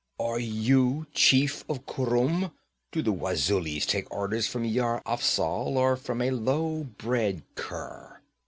'Are you chief of Khurum? Do the Wazulis take orders from Yar Afzal, or from a low bred cur?'